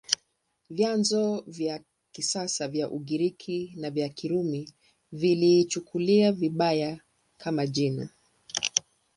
Vyanzo vya kisasa vya Ugiriki na vya Kirumi viliichukulia vibaya, kama jina.